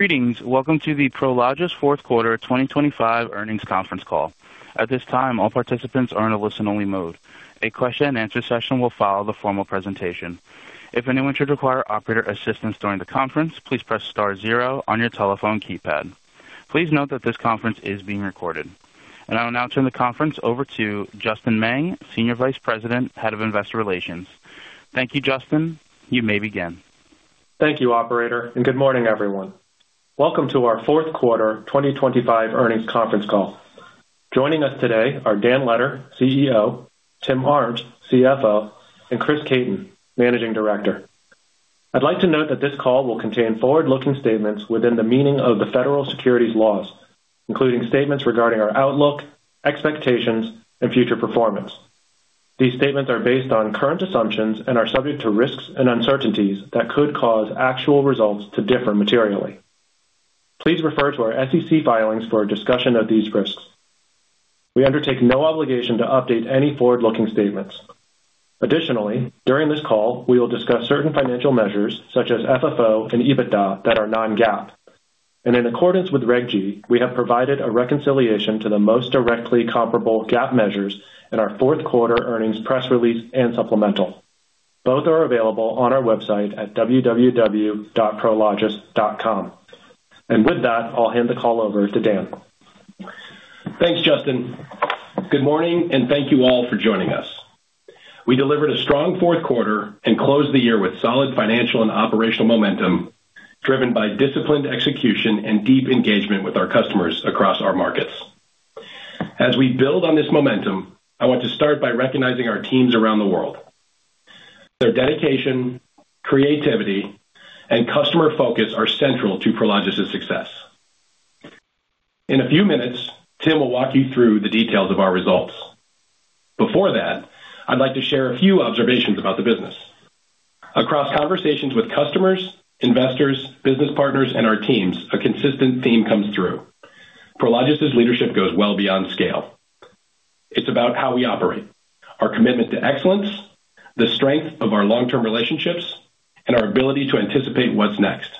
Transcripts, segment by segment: Greetings. Welcome to the Prologis Q4 2025 Earnings Conference Call. At this time, all participants are in a listen-only mode. A question-and-answer session will follow the formal presentation. If anyone should require operator assistance during the conference, please press star zero on your telephone keypad. Please note that this conference is being recorded, and I will now turn the conference over to Justin Meng, SVP, Head of Investor Relations. Thank you, Justin. You may begin. Thank you, Operator, and good morning, everyone. Welcome to our Q4 2025 Earnings Conference Call. Joining us today are Dan Letter, CEO; Tim Arndt, CFO; and Chris Caton, Managing Director. I'd like to note that this call will contain forward-looking statements within the meaning of the federal securities laws, including statements regarding our outlook, expectations, and future performance. These statements are based on current assumptions and are subject to risks and uncertainties that could cause actual results to differ materially. Please refer to our SEC filings for a discussion of these risks. We undertake no obligation to update any forward-looking statements. Additionally, during this call, we will discuss certain financial measures, such as FFO and EBITDA, that are non-GAAP. And in accordance with Reg G, we have provided a reconciliation to the most directly comparable GAAP measures in our Q4 earnings press release and supplemental. Both are available on our website at www.prologis.com. And with that, I'll hand the call over to Dan. Thanks, Justin. Good morning, and thank you all for joining us. We delivered a strong Q4 and closed the year with solid financial and operational momentum driven by disciplined execution and deep engagement with our customers across our markets. As we build on this momentum, I want to start by recognizing our teams around the world. Their dedication, creativity, and customer focus are central to Prologis' success. In a few minutes, Tim will walk you through the details of our results. Before that, I'd like to share a few observations about the business. Across conversations with customers, investors, business partners, and our teams, a consistent theme comes through: Prologis' leadership goes well beyond scale. It's about how we operate, our commitment to excellence, the strength of our long-term relationships, and our ability to anticipate what's next.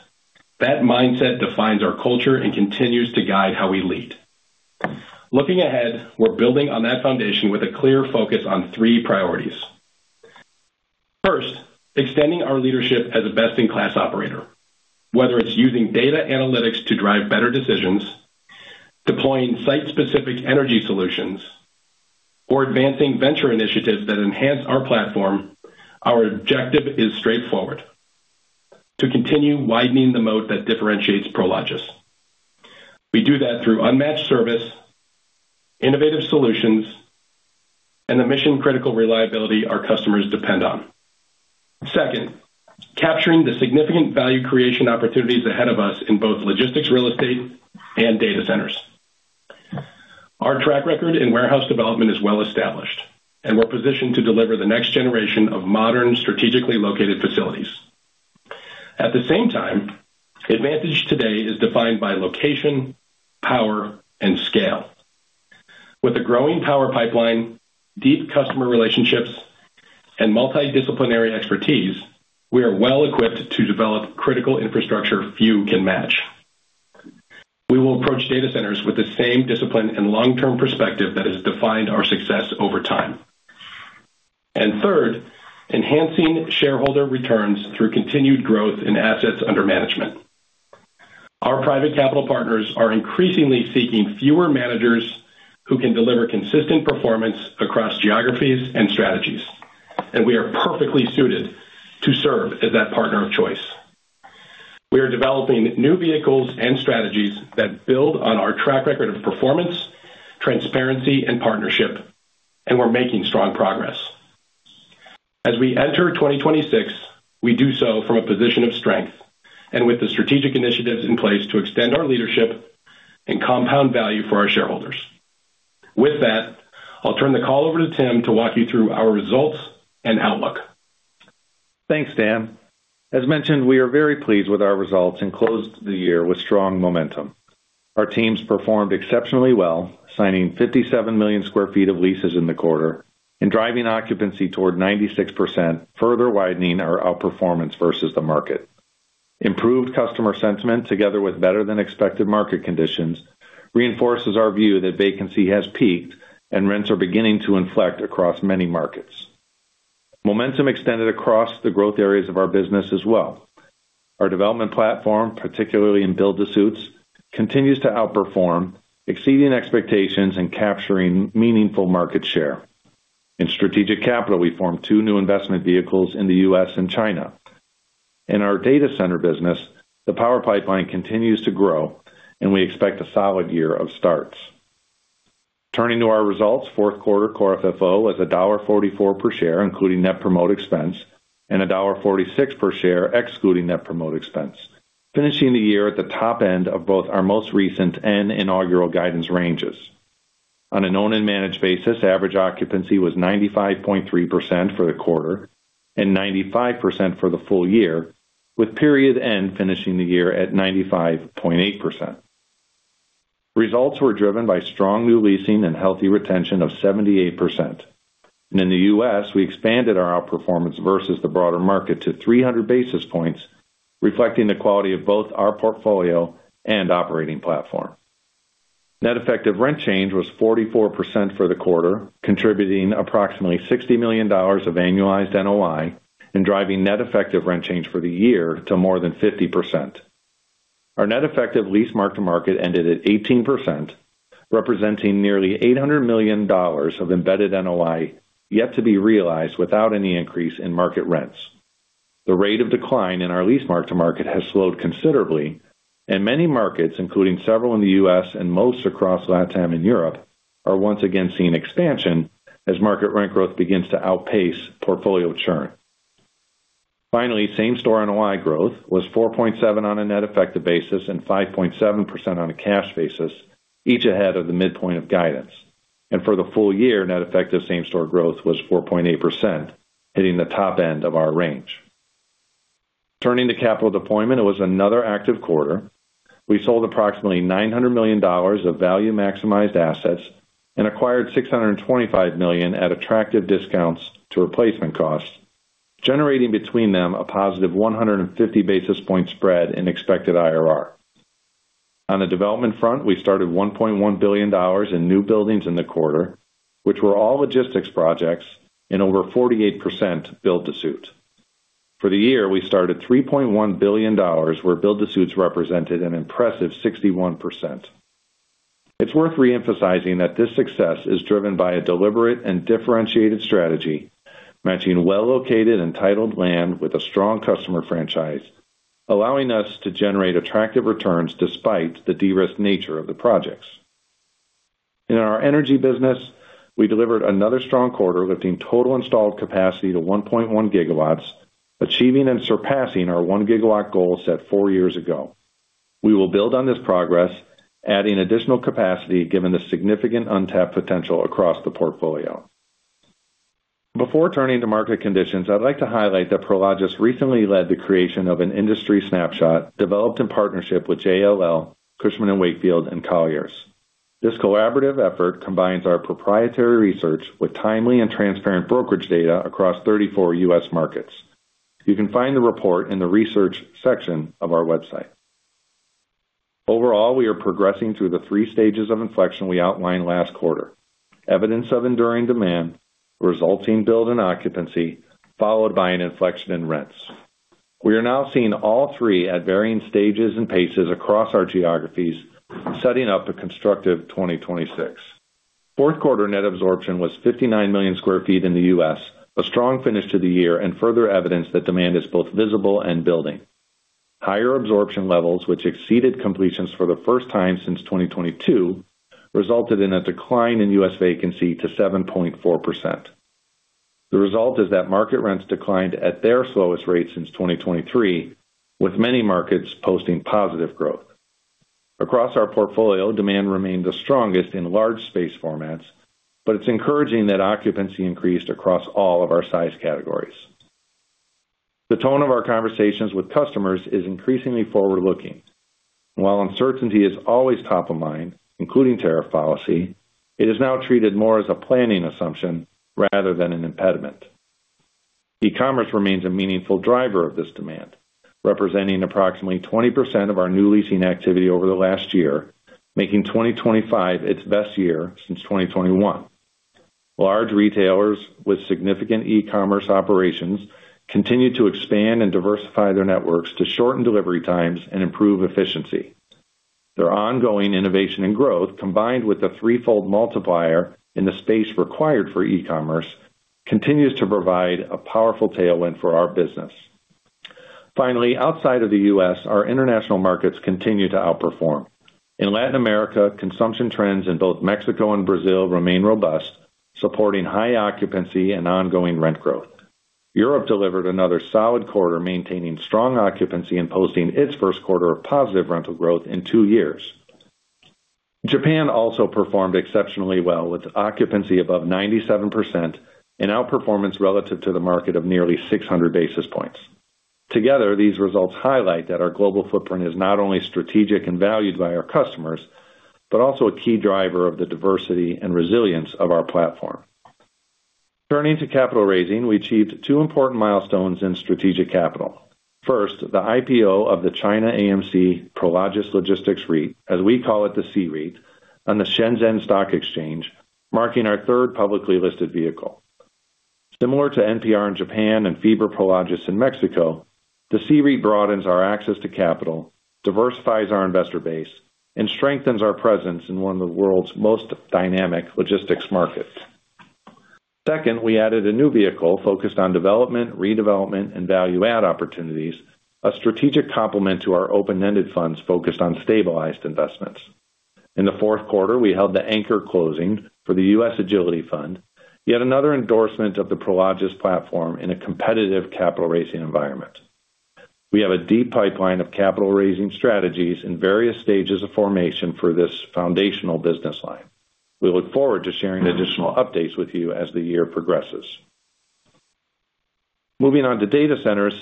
That mindset defines our culture and continues to guide how we lead. Looking ahead, we're building on that foundation with a clear focus on three priorities. First, extending our leadership as a best-in-class operator. Whether it's using data analytics to drive better decisions, deploying site-specific energy solutions, or advancing venture initiatives that enhance our platform, our objective is straightforward: to continue widening the moat that differentiates Prologis. We do that through unmatched service, innovative solutions, and the mission-critical reliability our customers depend on. Second, capturing the significant value creation opportunities ahead of us in both Logistics, Real Estate, and Data Centers. Our track record in warehouse development is well established, and we're positioned to deliver the next generation of modern, strategically located facilities. At the same time, advantage today is defined by location, power, and scale. With a growing power pipeline, deep customer relationships, and multidisciplinary expertise, we are well equipped to develop critical infrastructure few can match. We will approach Data Centers with the same discipline and long-term perspective that has defined our success over time, and third, enhancing shareholder returns through continued growth in assets under management. Our private capital partners are increasingly seeking fewer managers who can deliver consistent performance across geographies and strategies, and we are perfectly suited to serve as that partner of choice. We are developing new vehicles and strategies that build on our track record of performance, transparency, and partnership, and we're making strong progress. As we enter 2026, we do so from a position of strength and with the strategic initiatives in place to extend our leadership and compound value for our shareholders. With that, I'll turn the call over to Tim to walk you through our results and outlook. Thanks, Dan. As mentioned, we are very pleased with our results and closed the year with strong momentum. Our teams performed exceptionally well, signing 57 million sq ft of leases in the quarter and driving occupancy toward 96%, further widening our outperformance versus the market. Improved customer sentiment, together with better-than-expected market conditions, reinforces our view that vacancy has peaked and rents are beginning to inflect across many markets. Momentum extended across the growth areas of our business as well. Our development platform, particularly in build-to-suits, continues to outperform, exceeding expectations and capturing meaningful market share. In strategic capital, we formed two new investment vehicles in the U.S. and China. In our Data Center business, the power pipeline continues to grow, and we expect a solid year of starts. Turning to our results, Q4 core FFO is $1.44 per share, including net promote expense, and $1.46 per share, excluding net promote expense, finishing the year at the top end of both our most recent and inaugural guidance ranges. On an owned-and-managed basis, average occupancy was 95.3% for the quarter and 95% for the full year, with period-end finishing the year at 95.8%. Results were driven by strong new leasing and healthy retention of 78%, and in the U.S., we expanded our outperformance versus the broader market to 300 basis points, reflecting the quality of both our portfolio and operating platform. Net effective rent change was 44% for the quarter, contributing approximately $60 million of annualized NOI and driving net effective rent change for the year to more than 50%. Our net effective lease mark-to-market ended at 18%, representing nearly $800 million of embedded NOI yet to be realized without any increase in market rents. The rate of decline in our lease mark-to-market has slowed considerably, and many markets, including several in the U.S. and most across Latin and Europe, are once again seeing expansion as market rent growth begins to outpace portfolio churn. Finally, same-store NOI growth was 4.7% on a net effective basis and 5.7% on a cash basis, each ahead of the midpoint of guidance, and for the full year, net effective same-store growth was 4.8%, hitting the top end of our range. Turning to capital deployment, it was another active quarter. We sold approximately $900 million of value-maximized assets and acquired $625 million at attractive discounts to replacement costs, generating between them a positive 150 basis point spread in expected IRR. On the development front, we started $1.1 billion in new buildings in the quarter, which were all logistics projects, and over 48% build-to-suit. For the year, we started $3.1 billion, where build-to-suits represented an impressive 61%. It's worth reemphasizing that this success is driven by a deliberate and differentiated strategy, matching well-located and titled land with a strong customer franchise, allowing us to generate attractive returns despite the de-risked nature of the projects. In our Energy business, we delivered another strong quarter, lifting total installed capacity to 1.1 GW, achieving and surpassing our 1 GW goal set four years ago. We will build on this progress, adding additional capacity given the significant untapped potential across the portfolio. Before turning to market conditions, I'd like to highlight that Prologis recently led the creation of an industry snapshot developed in partnership with JLL, Cushman & Wakefield, and Colliers. This collaborative effort combines our proprietary research with timely and transparent brokerage data across 34 U.S. markets. You can find the report in the research section of our website. Overall, we are progressing through the three stages of inflection we outlined last quarter: evidence of enduring demand, resulting building occupancy, followed by an inflection in rents. We are now seeing all three at varying stages and paces across our geographies, setting up a constructive 2026. Q4 net absorption was 59 million sq ft in the U.S., a strong finish to the year and further evidence that demand is both visible and building. Higher absorption levels, which exceeded completions for the first time since 2022, resulted in a decline in U.S. vacancy to 7.4%. The result is that market rents declined at their slowest rate since 2023, with many markets posting positive growth. Across our portfolio, demand remained the strongest in large space formats, but it's encouraging that occupancy increased across all of our size categories. The tone of our conversations with customers is increasingly forward-looking. While uncertainty is always top of mind, including tariff policy, it is now treated more as a planning assumption rather than an impediment. E-commerce remains a meaningful driver of this demand, representing approximately 20% of our new leasing activity over the last year, making 2025 its best year since 2021. Large retailers with significant e-commerce operations continue to expand and diversify their networks to shorten delivery times and improve efficiency. Their ongoing innovation and growth, combined with the threefold multiplier in the space required for e-commerce, continues to provide a powerful tailwind for our business. Finally, outside of the U.S., our international markets continue to outperform. In Latin America, consumption trends in both Mexico and Brazil remain robust, supporting high occupancy and ongoing rent growth. Europe delivered another solid quarter, maintaining strong occupancy and posting its first quarter of positive rental growth in two years. Japan also performed exceptionally well, with occupancy above 97% and outperformance relative to the market of nearly 600 basis points. Together, these results highlight that our global footprint is not only strategic and valued by our customers but also a key driver of the diversity and resilience of our platform. Turning to capital raising, we achieved two important milestones in strategic capital. First, the IPO of the China AMC Prologis Logistics REIT, as we call it the C-REIT, on the Shenzhen Stock Exchange, marking our third publicly listed vehicle. Similar to NPR in Japan and FIBRA Prologis in Mexico, the C-REIT broadens our access to capital, diversifies our investor base, and strengthens our presence in one of the world's most dynamic logistics markets. Second, we added a new vehicle focused on development, redevelopment, and value-add opportunities, a strategic complement to our open-ended funds focused on stabilized investments. In the Q4, we held the anchor closing for the U.S. Agility Fund, yet another endorsement of the Prologis platform in a competitive capital raising environment. We have a deep pipeline of capital raising strategies in various stages of formation for this foundational business line. We look forward to sharing additional updates with you as the year progresses. Moving on to Data Centers,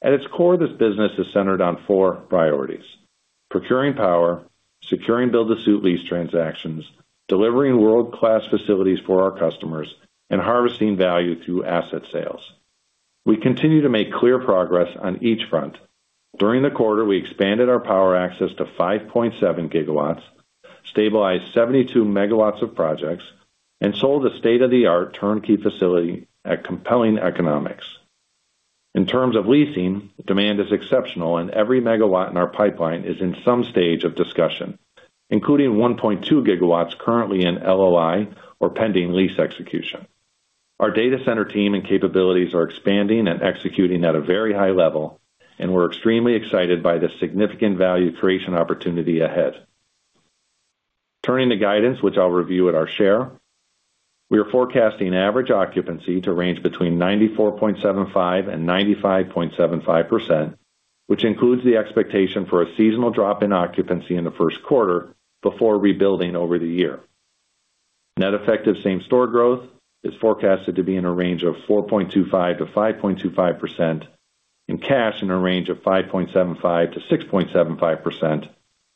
at its core, this business is centered on four priorities: procuring power, securing build-to-suit lease transactions, delivering world-class facilities for our customers, and harvesting value through asset sales. We continue to make clear progress on each front. During the quarter, we expanded our power access to 5.7 GW, stabilized 72 MW of projects, and sold a state-of-the-art turnkey facility at compelling economics. In terms of leasing, demand is exceptional, and every megawatt in our pipeline is in some stage of discussion, including 1.2 GW currently in LOI or pending lease execution. Our Data Center team and capabilities are expanding and executing at a very high level, and we're extremely excited by the significant value creation opportunity ahead. Turning to guidance, which I'll review at our share, we are forecasting average occupancy to range between 94.75% and 95.75%, which includes the expectation for a seasonal drop in occupancy in the first quarter before rebuilding over the year. Net effective same-store growth is forecasted to be in a range of 4.25%-5.25%, and cash in a range of 5.75%-6.75%,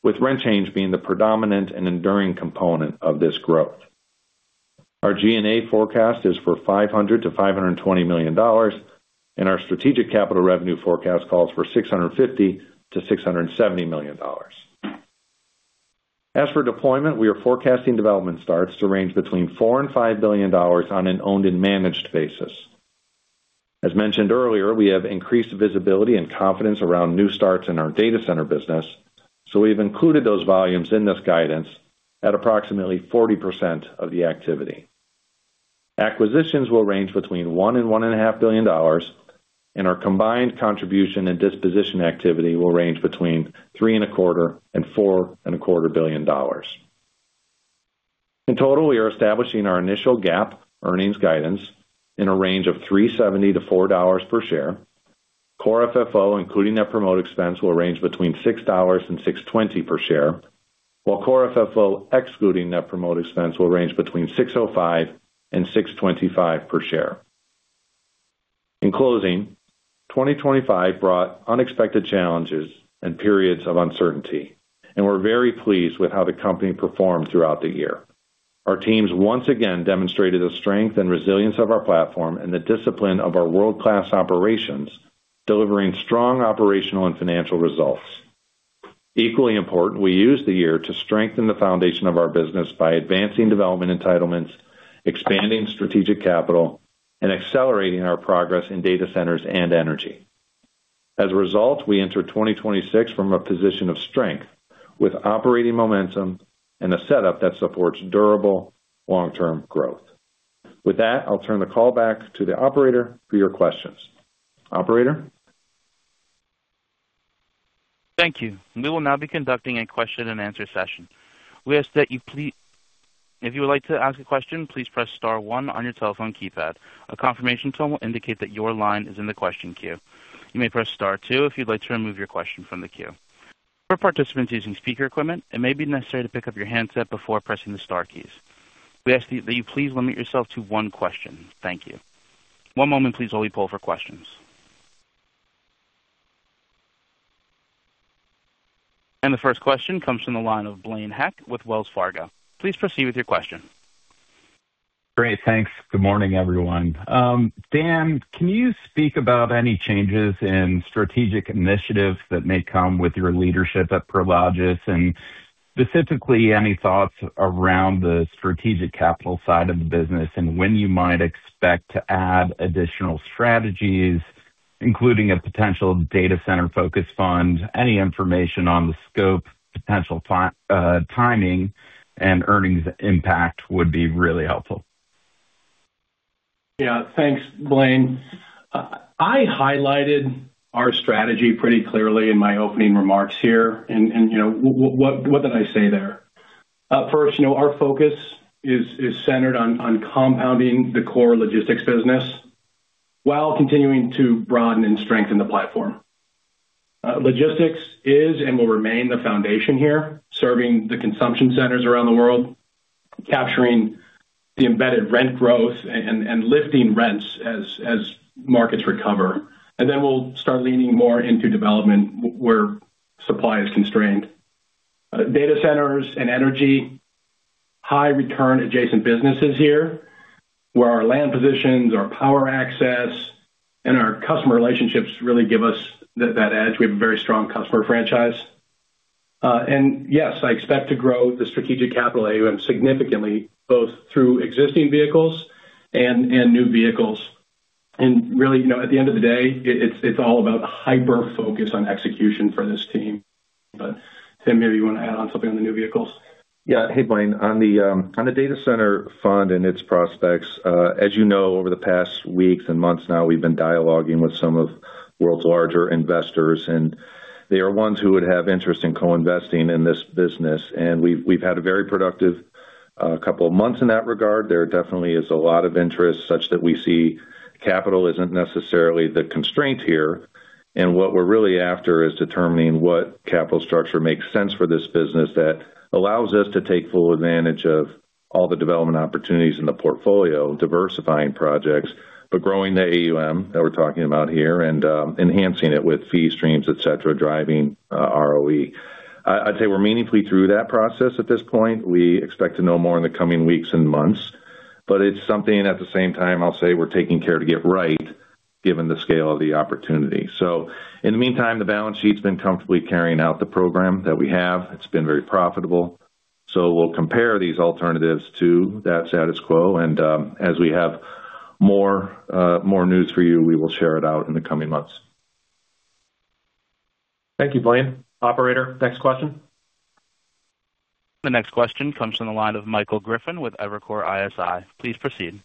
with rent change being the predominant and enduring component of this growth. Our G&A forecast is for $500 million-$520 million, and our strategic capital revenue forecast calls for $650 million-$670 million. As for deployment, we are forecasting development starts to range between $4 billion-$5 billion on an owned and managed basis. As mentioned earlier, we have increased visibility and confidence around new starts in our Data Center business, so we have included those volumes in this guidance at approximately 40% of the activity. Acquisitions will range between $1 billion-$1.5 billion, and our combined contribution and disposition activity will range between $3.25 billion-$4.25 billion. In total, we are establishing our initial GAAP earnings guidance in a range of $3.70-$4 per share. Core FFO, including net promote expense, will range between $6.00 and $6.20 per share, while Core FFO excluding net promote expense will range between $6.05 and $6.25 per share. In closing, 2025 brought unexpected challenges and periods of uncertainty, and we're very pleased with how the company performed throughout the year. Our teams once again demonstrated the strength and resilience of our platform and the discipline of our world-class operations, delivering strong operational and financial results. Equally important, we used the year to strengthen the foundation of our business by advancing development entitlements, expanding strategic capital, and accelerating our progress in Data Centers and Energy. As a result, we enter 2026 from a position of strength, with operating momentum and a setup that supports durable long-term growth. With that, I'll turn the call back to the operator for your questions. Operator? Thank you. We will now be conducting a question-and-answer session. We ask that you please, if you would like to ask a question, please press star one on your telephone keypad. A confirmation tone will indicate that your line is in the question queue. You may press star two if you'd like to remove your question from the queue. For participants using speaker equipment, it may be necessary to pick up your handset before pressing the star keys. We ask that you please limit yourself to one question. Thank you. One moment, please, while we pull for questions. And the first question comes from the line of Blaine Heck with Wells Fargo. Please proceed with your question. Great. Thanks. Good morning, everyone. Dan, can you speak about any changes in strategic initiatives that may come with your leadership at Prologis, and specifically any thoughts around the strategic capital side of the business and when you might expect to add additional strategies, including a potential Data Center-focused fund? Any information on the scope, potential timing, and earnings impact would be really helpful. Yeah. Thanks, Blaine. I highlighted our strategy pretty clearly in my opening remarks here. And what did I say there? First, our focus is centered on compounding the core Logistics business while continuing to broaden and strengthen the platform. Logistics is and will remain the foundation here, serving the consumption centers around the world, capturing the embedded rent growth and lifting rents as markets recover. And then we'll start leaning more into development where supply is constrained. Data Centers and Energy, high-return adjacent businesses here, where our land positions, our power access, and our customer relationships really give us that edge. We have a very strong customer franchise, and yes, I expect to grow the strategic capital area significantly, both through existing vehicles and new vehicles. Really, at the end of the day, it's all about hyper-focus on execution for this team. But Tim, maybe you want to add on something on the new vehicles? Yeah. Hey, Blaine. On the Data Center fund and its prospects, as you know, over the past weeks and months now, we've been dialoguing with some of the world's larger investors, and they are ones who would have interest in co-investing in this business and we've had a very productive couple of months in that regard. There definitely is a lot of interest such that we see capital isn't necessarily the constraint here and what we're really after is determining what capital structure makes sense for this business that allows us to take full advantage of all the development opportunities in the portfolio, diversifying projects, but growing the AUM that we're talking about here and enhancing it with fee streams, etc., driving ROE. I'd say we're meaningfully through that process at this point. We expect to know more in the coming weeks and months. But it's something, at the same time, I'll say we're taking care to get right given the scale of the opportunity. So in the meantime, the balance sheet's been comfortably carrying out the program that we have. It's been very profitable. So we'll compare these alternatives to that status quo. As we have more news for you, we will share it out in the coming months. Thank you, Blaine. Operator, next question. The next question comes from the line of Michael Griffin with Evercore ISI. Please proceed.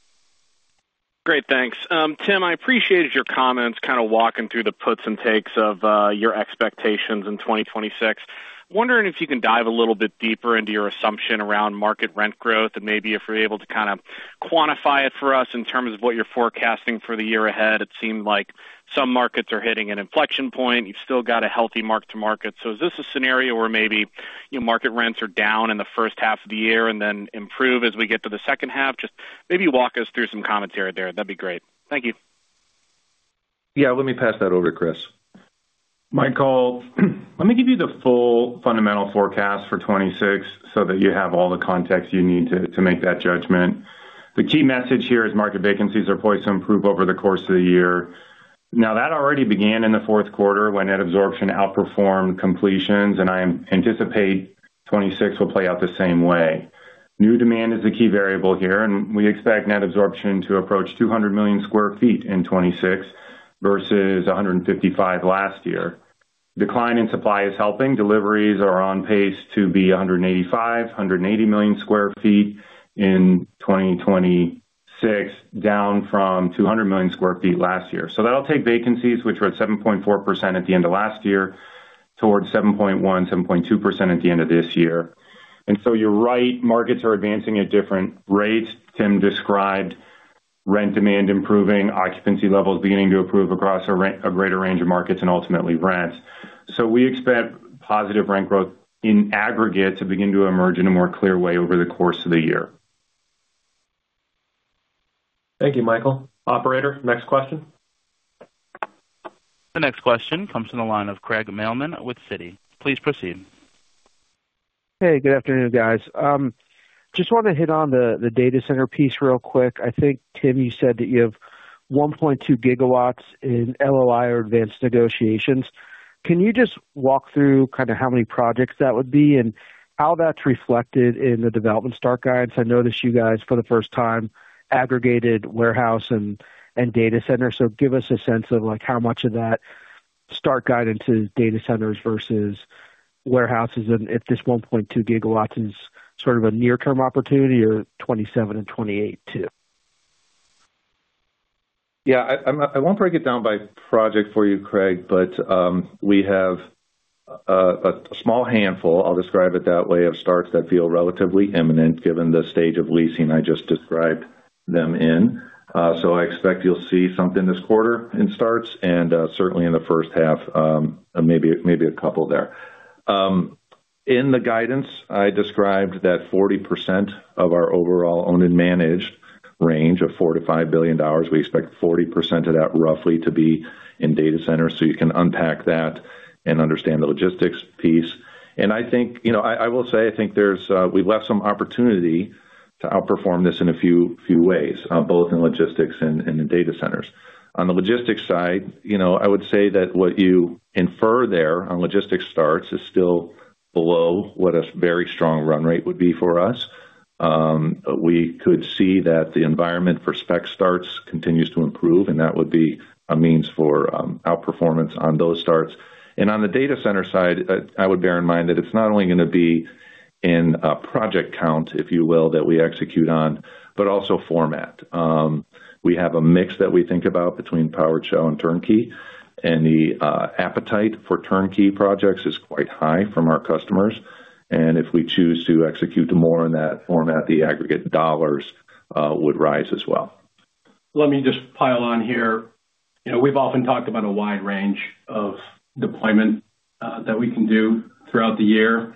Great. Thanks. Tim, I appreciated your comments, kind of walking through the puts and takes of your expectations in 2026. Wondering if you can dive a little bit deeper into your assumption around market rent growth and maybe if you're able to kind of quantify it for us in terms of what you're forecasting for the year ahead. It seemed like some markets are hitting an inflection point. You've still got a healthy mark-to-market. So is this a scenario where maybe market rents are down in the first half of the year and then improve as we get to the second half? Just maybe walk us through some commentary there. That'd be great. Thank you. Yeah. Let me pass that over to Chris. Michael, let me give you the full fundamental forecast for 2026 so that you have all the context you need to make that judgment. The key message here is market vacancies are poised to improve over the course of the year. Now, that already began in the Q4 when net absorption outperformed completions, and I anticipate 2026 will play out the same way. New demand is the key variable here, and we expect net absorption to approach 200 million sq ft in 2026 versus 155 last year. Decline in supply is helping. Deliveries are on pace to be 185, 180 million sq ft in 2026, down from 200 million sq ft last year. So that'll take vacancies, which were at 7.4% at the end of last year, towards 7.1%-7.2% at the end of this year. And so you're right, markets are advancing at different rates. Tim described rent demand improving, occupancy levels beginning to improve across a greater range of markets, and ultimately rents. So we expect positive rent growth in aggregate to begin to emerge in a more clear way over the course of the year. Thank you, Michael. Operator, next question. The next question comes from the line of Craig Mailman with Citi. Please proceed. Hey, good afternoon, guys. Just want to hit on the Data Center piece real quick. I think, Tim, you said that you have 1.2 GW in LOI or advanced negotiations. Can you just walk through kind of how many projects that would be and how that's reflected in the development start guidance? I noticed you guys for the first time aggregated Warehouse and Data Center. So give us a sense of how much of that start guidance is Data Centers versus Warehouses, and if this 1.2 GW is sort of a near-term opportunity or 2027 and 2028 too. Yeah. I won't break it down by project for you, Craig, but we have a small handful, I'll describe it that way, of starts that feel relatively imminent given the stage of leasing I just described them in. So I expect you'll see something this quarter in starts and certainly in the first half, maybe a couple there. In the guidance, I described that 40% of our overall owned and managed range of $4 billion-$5 billion. We expect 40% of that roughly to be in Data Centers. So you can unpack that and understand the logistics piece. I think I will say I think we've left some opportunity to outperform this in a few ways, both in logistics and in Data Centers. On the Logistics side, I would say that what you infer there on Logistics starts is still below what a very strong run rate would be for us. We could see that the environment for Spec starts continues to improve, and that would be a means for outperformance on those starts. On the Data Center side, I would bear in mind that it's not only going to be in project count, if you will, that we execute on, but also format. We have a mix that we think about between powered shell and turnkey, and the appetite for turnkey projects is quite high from our customers. If we choose to execute more in that format, the aggregate dollars would rise as well. Let me just pile on here. We've often talked about a wide range of deployment that we can do throughout the year.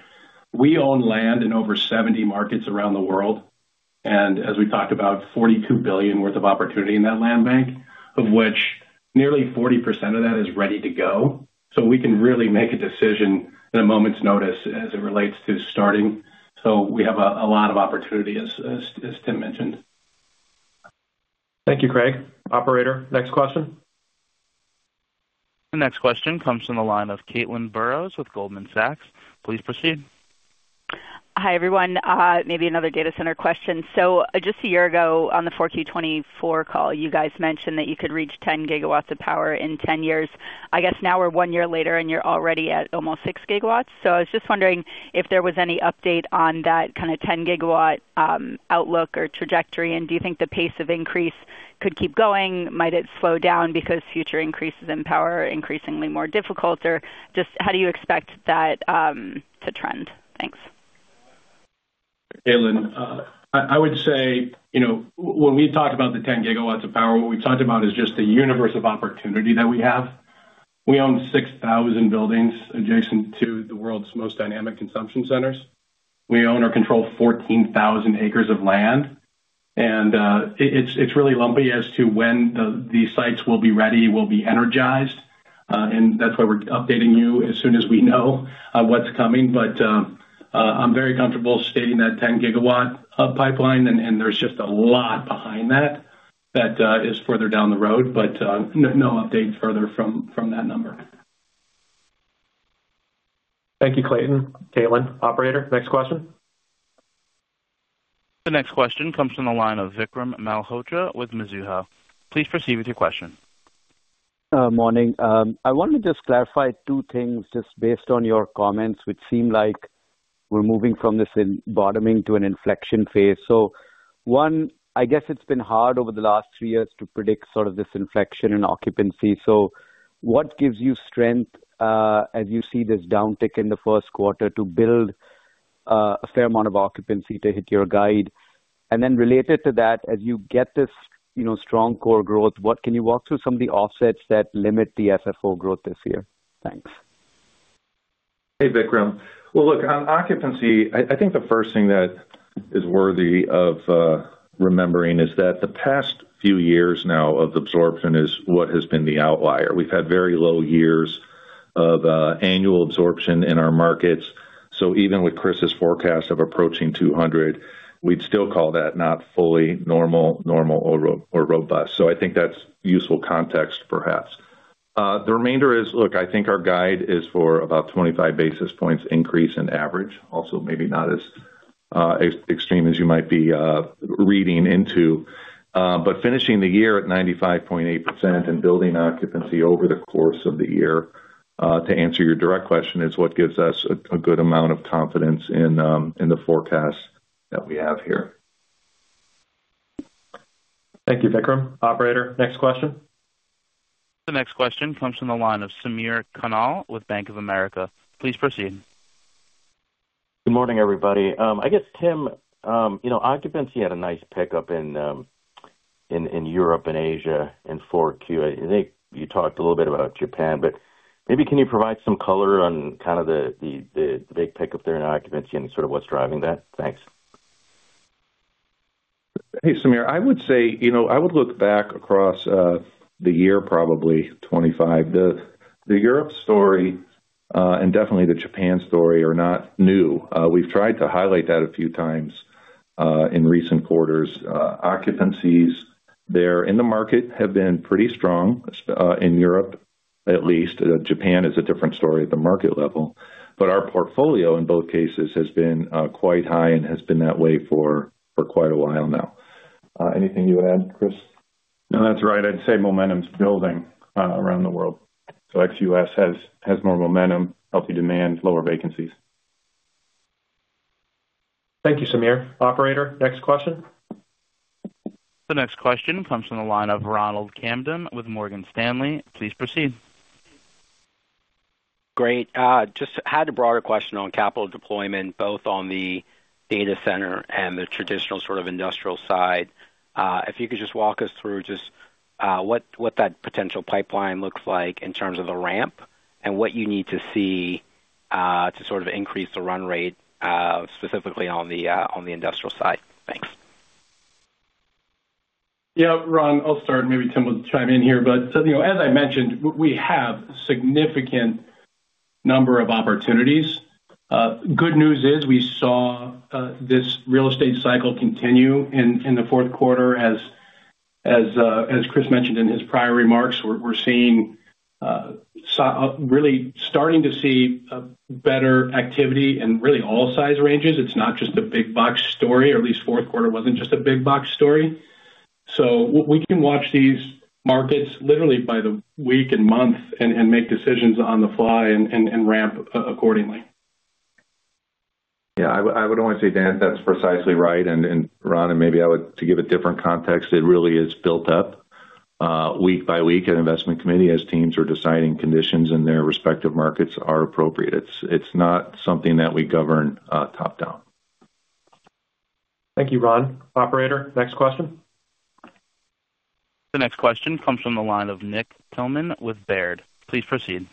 We own land in over 70 markets around the world. And as we talked about, $42 billion worth of opportunity in that land bank, of which nearly 40% of that is ready to go. So we can really make a decision at a moment's notice as it relates to starting. So we have a lot of opportunity, as Tim mentioned. Thank you, Craig. Operator, next question. The next question comes from the line of Caitlin Burrows with Goldman Sachs. Please proceed. Hi, everyone. Maybe another Data Center question. So just a year ago on the 4Q 2024 call, you guys mentioned that you could reach 10 GW of power in 10 years. I guess now we're one year later, and you're already at almost 6 GW. So I was just wondering if there was any update on that kind of 10 GW outlook or trajectory, and do you think the pace of increase could keep going? Might it slow down because future increases in power are increasingly more difficult? Or just how do you expect that to trend? Thanks. Caitlin, I would say when we talk about the 10 GW of power, what we've talked about is just the universe of opportunity that we have. We own 6,000 buildings adjacent to the world's most dynamic consumption centers. We own or control 14,000 acres of land and it's really lumpy as to when these sites will be ready, will be energized and that's why we're updating you as soon as we know what's coming. But I'm very comfortable stating that 10 GW pipeline, and there's just a lot behind that that is further down the road, but no update further from that number. Thank you, Caitlin. Caitlin, Operator, next question. The next question comes from the line of Vikram Malhotra with Mizuho. Please proceed with your question. Good morning. I wanted to just clarify two things just based on your comments, which seem like we're moving from this bottoming to an inflection phase. So one, I guess it's been hard over the last three years to predict sort of this inflection in occupancy. So what gives you strength as you see this downtick in the first quarter to build a fair amount of occupancy to hit your guide? And then related to that, as you get this strong core growth, what can you walk through some of the offsets that limit the FFO growth this year? Thanks. Hey, Vikram. Look, on occupancy, I think the first thing that is worthy of remembering is that the past few years now of absorption is what has been the outlier. We've had very low years of annual absorption in our markets. So even with Chris's forecast of approaching 200, we'd still call that not fully normal or robust. I think that's useful context, perhaps. The remainder is, look, I think our guide is for about 25 basis points increase in average. Also, maybe not as extreme as you might be reading into. But finishing the year at 95.8% and building occupancy over the course of the year, to answer your direct question, is what gives us a good amount of confidence in the forecast that we have here. Thank you, Vikram. Operator, next question. The next question comes from the line of Samir Khanal with Bank of America. Please proceed. Good morning, everybody. I guess, Tim, occupancy had a nice pickup in Europe and Asia and 4Q. I think you talked a little bit about Japan, but maybe can you provide some color on kind of the big pickup there in occupancy and sort of what's driving that? Thanks. Hey, Samir, I would say I would look back across the year, probably 2025. The Europe story and definitely the Japan story are not new. We've tried to highlight that a few times in recent quarters. Occupancies there in the market have been pretty strong in Europe, at least. Japan is a different story at the market level. But our portfolio, in both cases, has been quite high and has been that way for quite a while now. Anything you would add, Chris? No, that's right. I'd say momentum's building around the world. So ex-U.S. has more momentum, healthy demand, lower vacancies. Thank you, Samir. Operator, next question. The next question comes from the line of Ronald Kamdem with Morgan Stanley. Please proceed. Great. Just had a broader question on capital deployment, both on the Data Center and the traditional sort of industrial side. If you could just walk us through just what that potential pipeline looks like in terms of a ramp and what you need to see to sort of increase the run rate, specifically on the industrial side. Thanks. Yeah, Ron, I'll start. Maybe Tim will chime in here. But as I mentioned, we have a significant number of opportunities. Good news is we saw this real estate cycle continue in the Q4. As Chris mentioned in his prior remarks, we're really starting to see better activity in really all size ranges. It's not just a big box story. Or at least Q4 wasn't just a big box story. So we can watch these markets literally by the week and month and make decisions on the fly and ramp accordingly. Yeah, I would only say that that's precisely right. And, Ron, and maybe I would give a different context. It really is built up week by week at investment committee as teams are deciding conditions in their respective markets are appropriate. It's not something that we govern top down. Thank you, Ron. Operator, next question. The next question comes from the line of Nick Thillman with Baird. Please proceed.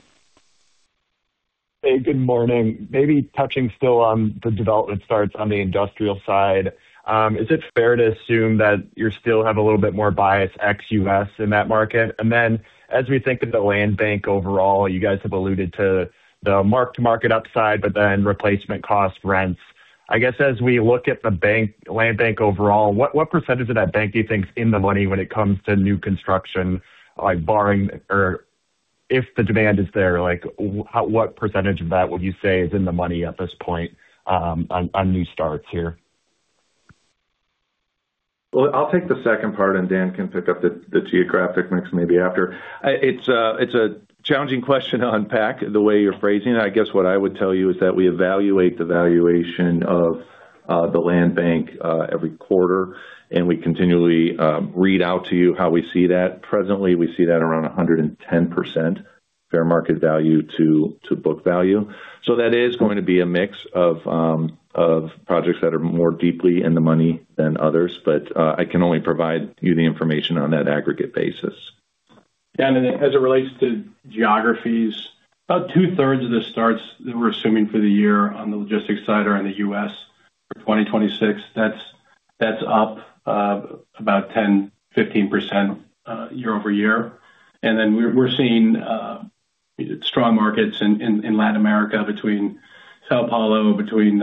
Hey, good morning. Maybe touching still on the development starts on the industrial side. Is it fair to assume that you still have a little bit more bias ex-U.S. in that market? And then as we think of the land bank overall, you guys have alluded to the mark-to-market upside, but then replacement costs, rents. I guess as we look at the land bank overall, what percentage of that bank do you think is in the money when it comes to new construction, barring or if the demand is there, what percentage of that would you say is in the money at this point on new starts here? Well, I'll take the second part, and Dan can pick up the geographic mix maybe after. It's a challenging question to unpack the way you're phrasing it. I guess what I would tell you is that we evaluate the valuation of the land bank every quarter, and we continually read out to you how we see that. Presently, we see that around 110% fair market value to book value. So that is going to be a mix of projects that are more deeply in the money than others, but I can only provide you the information on that aggregate basis. Yeah, and as it relates to geographies, about 2/3 of the starts that we're assuming for the year on the logistics side are in the US for 2026. That's up about 10%-15% year-over-year. And then we're seeing strong markets in Latin America between São Paulo, between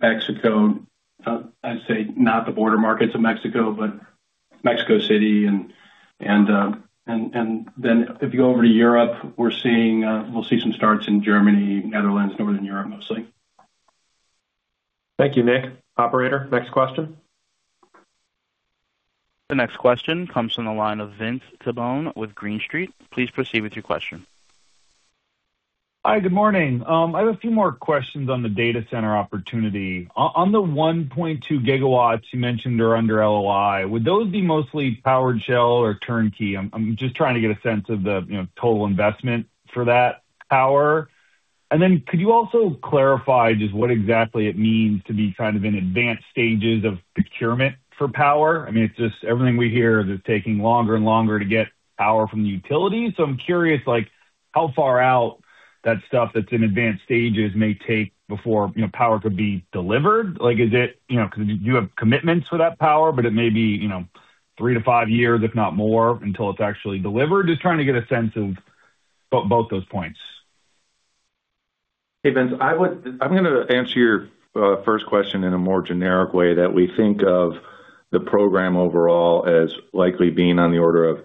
Mexico. I'd say not the border markets of Mexico, but Mexico City and then if you go over to Europe, we'll see some starts in Germany, Netherlands, Northern Europe mostly. Thank you, Nick. Operator, next question. The next question comes from the line of Vince Tibone with Green Street. Please proceed with your question. Hi, good morning. I have a few more questions on the Data Center opportunity. On the 1.2 GW you mentioned are under LOI, would those be mostly powered shell or turnkey? I'm just trying to get a sense of the total investment for that power. And then could you also clarify just what exactly it means to be kind of in advanced stages of procurement for power? I mean, it's just everything we hear is it's taking longer and longer to get power from the utility. So I'm curious how far out that stuff that's in advanced stages may take before power could be delivered. Is it because you have commitments for that power, but it may be three to five years, if not more, until it's actually delivered? Just trying to get a sense of both those points. Hey, Vince, I'm going to answer your first question in a more generic way that we think of the program overall as likely being on the order of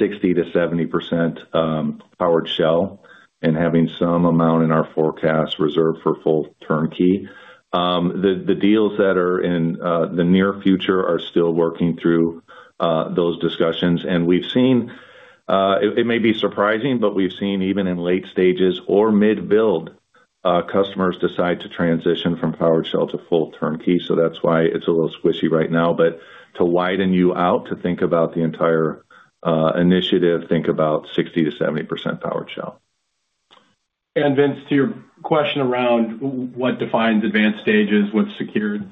60%-70% powered shell and having some amount in our forecast reserved for full turnkey. The deals that are in the near future are still working through those discussions and we've seen it may be surprising, but we've seen even in late stages or mid-build, customers decide to transition from powered shell to full turnkey. So that's why it's a little squishy right now. But to widen you out to think about the entire initiative, think about 60%-70% powered shell. And Vince, to your question around what defines advanced stages, what's secured?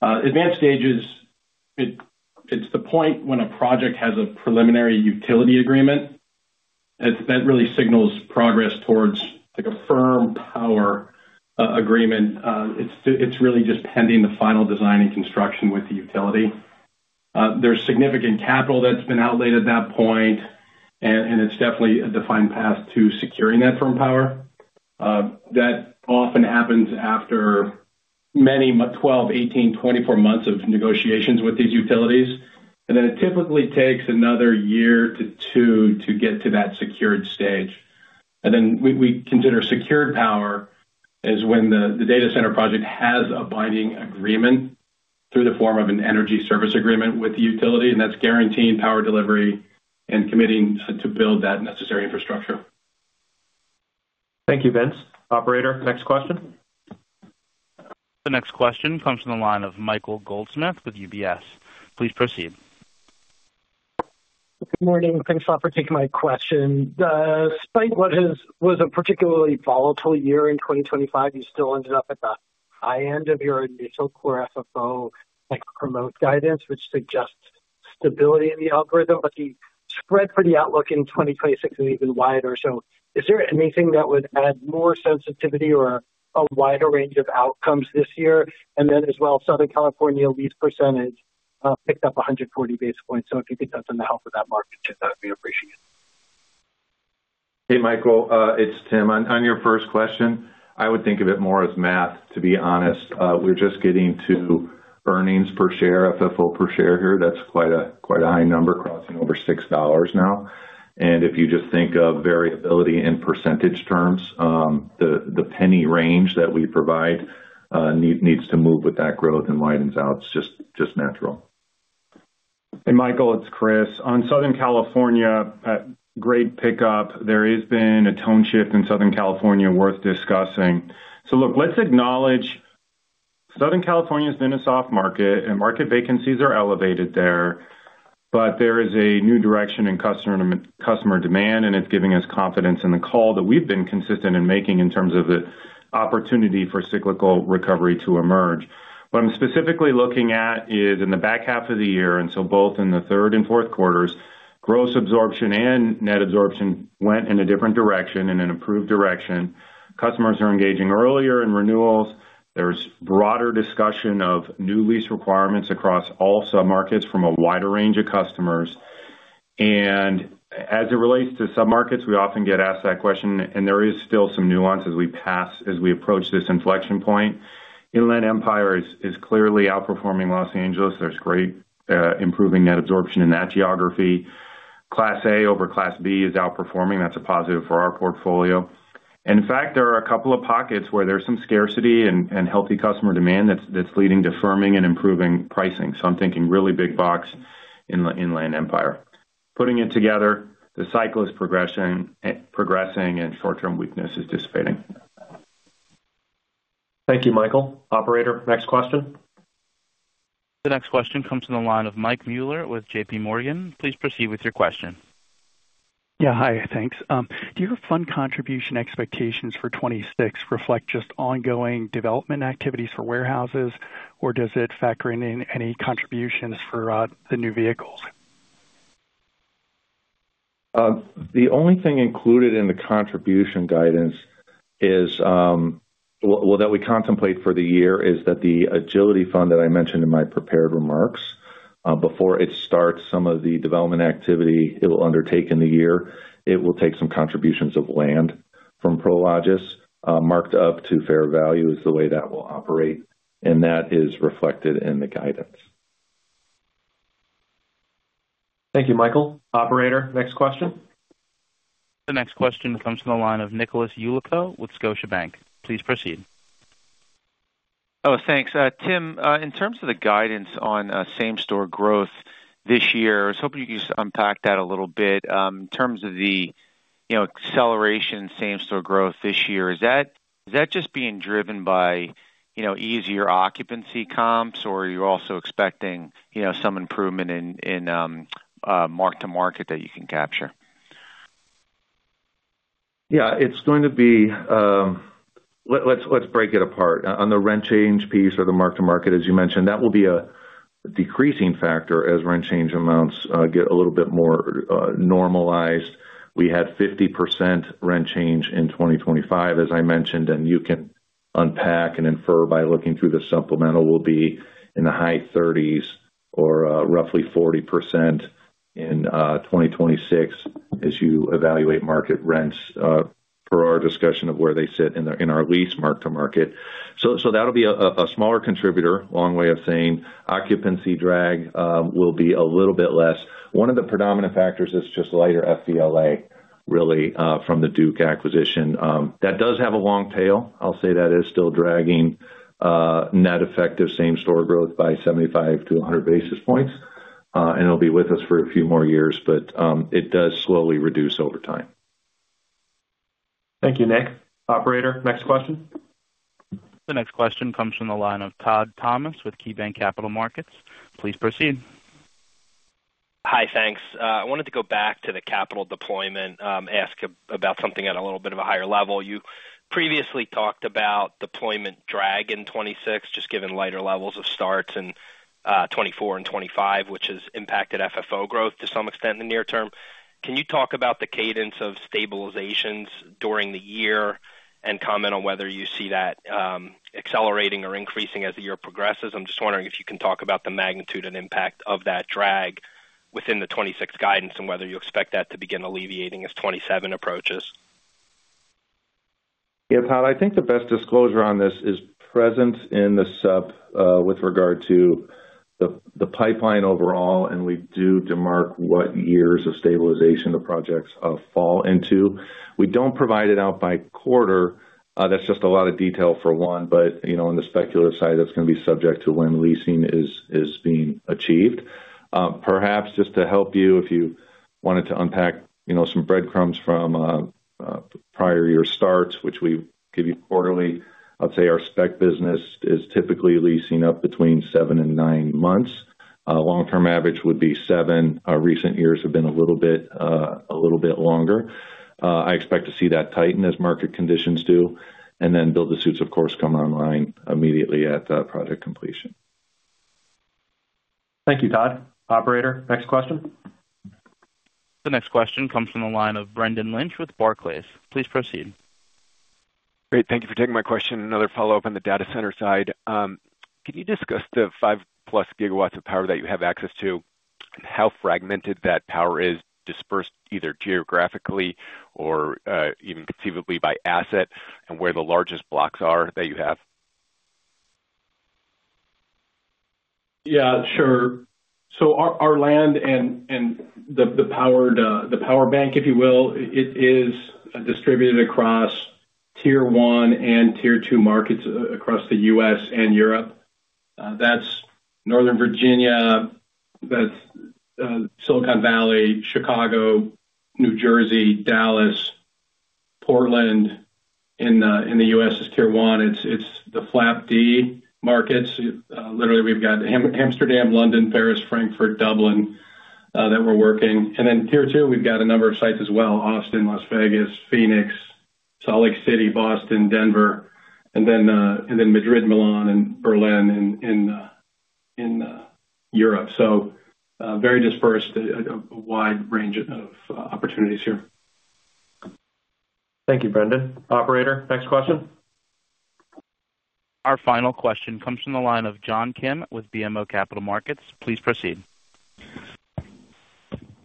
Advanced stages, it's the point when a project has a preliminary utility agreement. That really signals progress towards a firm power agreement. It's really just pending the final design and construction with the utility. There's significant capital that's been outlaid at that point, and it's definitely a defined path to securing that firm power. That often happens after many, 12, 18, 24 months of negotiations with these utilities and then it typically takes another year to two to get to that secured stage. Then we consider secured power as when the Data Center project has a binding agreement through the form of an energy service agreement with the utility, and that's guaranteeing power delivery and committing to build that necessary infrastructure. Thank you, Vince. Operator, next question. The next question comes from the line of Michael Goldsmith with UBS. Please proceed. Good morning. Thanks a lot for taking my question. Despite what was a particularly volatile year in 2025, you still ended up at the high end of your initial core FFO promote guidance, which suggests stability in the algorithm, but the spread for the outlook in 2026 is even wider. So is there anything that would add more sensitivity or a wider range of outcomes this year? And then as well, Southern California lease percentage picked up 140 basis points. So if you could touch on the health of that market, too, that would be appreciated. Hey, Michael, it's Tim. On your first question, I would think of it more as math, to be honest. We're just getting to earnings per share, FFO per share here. That's quite a high number, crossing over $6 now. And if you just think of variability in percentage terms, the penny range that we provide needs to move with that growth and widens out. It's just natural. Hey, Michael, it's Chris. On Southern California had great pickup, there has been a tone shift in Southern California worth discussing. So look, let's acknowledge Southern California has been a soft market, and market vacancies are elevated there. But there is a new direction in customer demand, and it's giving us confidence in the call that we've been consistent in making in terms of the opportunity for cyclical recovery to emerge. What I'm specifically looking at is in the back half of the year, and so both in the third and Q4s, gross absorption and net absorption went in a different direction, in an improved direction. Customers are engaging earlier in renewals. There's broader discussion of new lease requirements across all submarkets from a wider range of customers. And as it relates to submarkets, we often get asked that question, and there is still some nuance as we pass, as we approach this inflection point. Inland Empire is clearly outperforming Los Angeles. There's great improving net absorption in that geography. Class A over Class B is outperforming. That's a positive for our portfolio. And in fact, there are a couple of pockets where there's some scarcity and healthy customer demand that's leading to firming and improving pricing. So I'm thinking really big box Inland Empire. Putting it together, the cycle is progressing, and short-term weakness is dissipating. Thank you, Michael. Operator, next question. The next question comes from the line of Mike Mueller with JPMorgan. Please proceed with your question. Yeah, hi. Thanks. Do your fund contribution expectations for 2026 reflect just ongoing development activities for warehouses, or does it factor in any contributions for the new vehicles? The only thing included in the contribution guidance is, well, that we contemplate for the year is that the Agility Fund that I mentioned in my prepared remarks, before it starts some of the development activity it will undertake in the year, it will take some contributions of land from Prologis marked up to fair value is the way that will operate, and that is reflected in the guidance. Thank you, Michael. Operator, next question. The next question comes from the line of Nicholas Yulico with Scotiabank. Please proceed. Oh, thanks. Tim, in terms of the guidance on same-store growth this year, I was hoping you could just unpack that a little bit. In terms of the acceleration in same-store growth this year, is that just being driven by easier occupancy comps, or are you also expecting some improvement in mark-to-market that you can capture? Yeah, it's going to be. Let's break it apart. On the rent change piece or the mark-to-market, as you mentioned, that will be a decreasing factor as rent change amounts get a little bit more normalized. We had 50% rent change in 2025, as I mentioned, and you can unpack and infer by looking through the supplemental, will be in the high 30s or roughly 40% in 2026 as you evaluate market rents per our discussion of where they sit in our lease mark-to-market. So that'll be a smaller contributor, long way of saying occupancy drag will be a little bit less. One of the predominant factors is just lighter FVLA, really, from the Duke acquisition. That does have a long tail. I'll say that is still dragging net effective same-store growth by 75-100 basis points. And it'll be with us for a few more years, but it does slowly reduce over time. Thank you, Nick. Operator, next question. The next question comes from the line of Todd Thomas with KeyBanc Capital Markets. Please proceed. Hi, thanks. I wanted to go back to the capital deployment, ask about something at a little bit of a higher level. You previously talked about deployment drag in 2026, just given lighter levels of starts in 2024 and 2025, which has impacted FFO growth to some extent in the near term. Can you talk about the cadence of stabilizations during the year and comment on whether you see that accelerating or increasing as the year progresses? I'm just wondering if you can talk about the magnitude and impact of that drag within the 2026 guidance and whether you expect that to begin alleviating as 2027 approaches. Yeah, Todd, I think the best disclosure on this is present in the supp with regard to the pipeline overall, and we do demarcate what years of stabilization the projects fall into. We don't provide it out by quarter. That's just a lot of detail for one, but on the Speculative side, that's going to be subject to when leasing is being achieved. Perhaps just to help you, if you wanted to unpack some breadcrumbs from prior year starts, which we give you quarterly, I'll say our Spec business is typically leasing up between seven and nine months. Long-term average would be seven. Recent years have been a little bit longer. I expect to see that tighten as market conditions do, and then build-to-suits, of course, come online immediately at project completion. Thank you, Todd. Operator, next question. The next question comes from the line of Brendan Lynch with Barclays. Please proceed. Great. Thank you for taking my question. Another follow-up on the Data Center side. Can you discuss the 5+ gigawatt of power that you have access to, how fragmented that power is dispersed either geographically or even conceivably by asset, and where the largest blocks are that you have? Yeah, sure. So our land and the power bank, if you will, it is distributed across tier one and tier two markets across the U.S. and Europe. That's Northern Virginia, that's Silicon Valley, Chicago, New Jersey, Dallas, Portland. In the U.S., it's tier one. It's the flagship markets. Literally, we've got Amsterdam, London, Paris, Frankfurt, Dublin that we're working and then tier two, we've got a number of sites as well: Austin, Las Vegas, Phoenix, Salt Lake City, Boston, Denver, and then Madrid, Milan, and Berlin in Europe. So very dispersed, a wide range of opportunities here. Thank you, Brendan. Operator, next question. Our final question comes from the line of John Kim with BMO Capital Markets. Please proceed.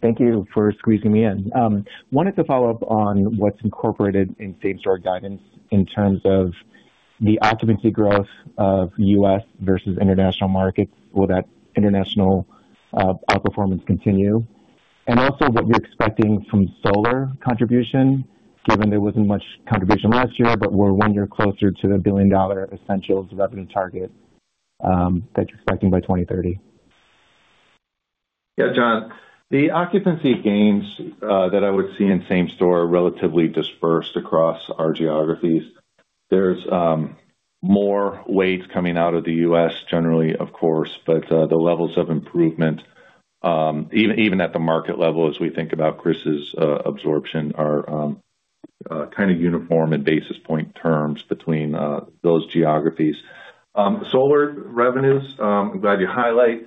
Thank you for squeezing me in. Wanted to follow up on what's incorporated in same-store guidance in terms of the occupancy growth of U.S. versus International markets. Will that international outperformance continue? And also what you're expecting from solar contribution, given there wasn't much contribution last year, but we're one year closer to the billion-dollar Essentials revenue target that you're expecting by 2030. Yeah, John, the occupancy gains that I would see in same-store are relatively dispersed across our geographies. There's more weight coming out of the U.S., generally, of course, but the levels of improvement, even at the market level, as we think about Chris's absorption, are kind of uniform in basis point terms between those geographies. Solar revenues, I'm glad you highlight.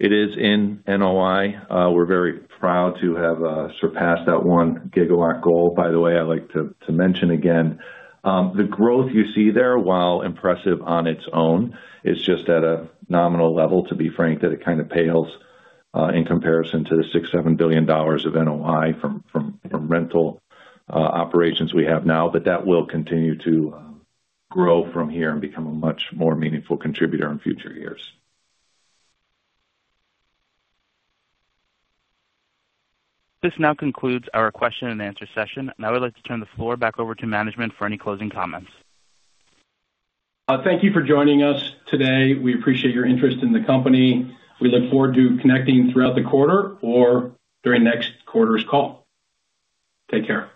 It is in NOI. We're very proud to have surpassed that one gigawatt goal, by the way, I like to mention again. The growth you see there, while impressive on its own, is just at a nominal level, to be frank, that it kind of pales in comparison to the $6 billion-$7 billion of NOI from rental operations we have now, but that will continue to grow from here and become a much more meaningful contributor in future years. This now concludes our question and answer session, and I would like to turn the floor back over to management for any closing comments. Thank you for joining us today. We appreciate your interest in the company. We look forward to connecting throughout the quarter or during next quarter's call. Take care.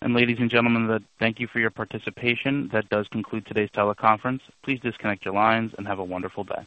And ladies and gentlemen, thank you for your participation. That does conclude today's teleconference. Please disconnect your lines and have a wonderful day.